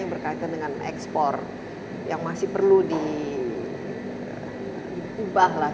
yang berkaitan dengan ekspor yang masih perlu diubah lah